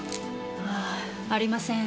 あぁありません。